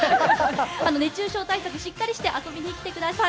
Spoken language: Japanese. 熱中症対策しっかりして遊びに来てください。